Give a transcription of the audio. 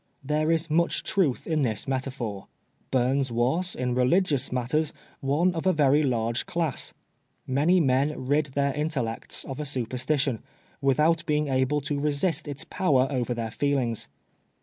There is much truth in this metaphor. Bums was, in religious matters, one of a verv large class. Many men rid their intellects of a superstition, without being able to resist its power over their feelmgs.